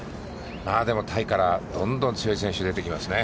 でも、タイからどんどん強い選手が出てきますね。